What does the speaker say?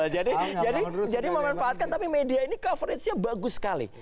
jadi memanfaatkan tapi media ini coveragenya bagus sekali